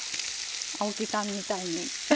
青木さんみたいに。